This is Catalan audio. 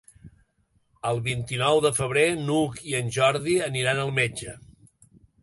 El vint-i-nou de febrer n'Hug i en Jordi aniran al metge.